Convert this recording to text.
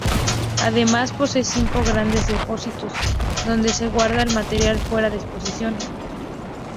Además, posee cinco grandes depósitos donde se guarda el material fuera de exposición.